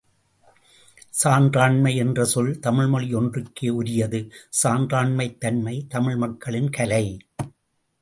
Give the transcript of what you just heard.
சான்றாண்மை என்ற சொல் தமிழ்மொழி ஒன்றுக்கே உரியது.சான்றாண்மைத் தன்மை, தமிழ் மக்களின் கலை.